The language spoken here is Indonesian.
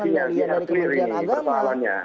dari kementerian agama